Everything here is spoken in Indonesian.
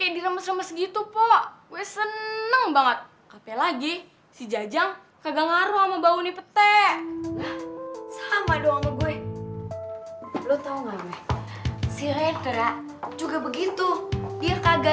dia kagak ngaruh sama buah petai